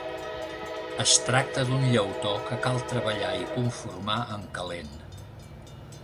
Es tracta d'un llautó que cal treballar i conformar en calent.